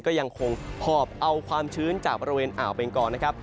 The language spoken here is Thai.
ก็ยังคงหอบเอาความชื้นจากบริเวณอ่าวเบงกอนะครับ